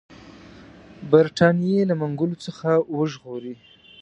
برټانیې له منګولو څخه وژغوري.